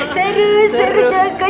seru seru jangan kok